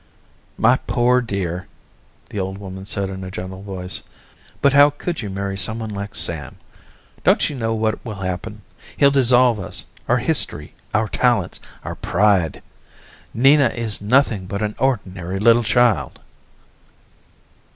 "My poor dear," the old woman said in a gentle voice. "But how could you marry someone like Sam? Don't you know what will happen? He'll dissolve us, our history, our talents, our pride. Nina is nothing but an ordinary little child."